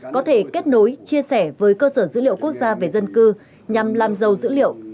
có thể kết nối chia sẻ với cơ sở dữ liệu quốc gia về dân cư nhằm làm giàu dữ liệu